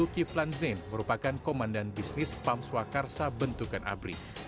kiflan zing merupakan komandan bisnis pamsuakarsa bentukan abrit